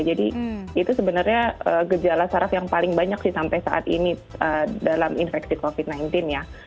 jadi itu sebenarnya gejala saraf yang paling banyak sih sampai saat ini dalam infeksi covid sembilan belas ya